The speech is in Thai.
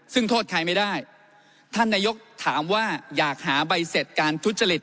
ซึ่งโทษใครไม่ได้ท่านนายกถามว่าอยากหาใบเสร็จการทุจริต